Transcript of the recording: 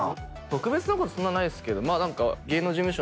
特別なことそんなないですけど何か。